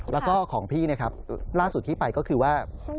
แล้วก็ของพี่นะครับล่าสุดที่ไปก็คือว่า